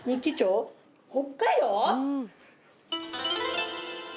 北海道？